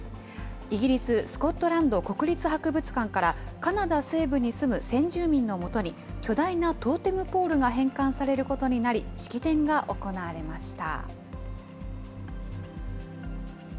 イギリス・スコットランド国立博物館からカナダ西部に住む先住民のもとに、巨大なトーテムポールが返還されることになり、式典が行われました。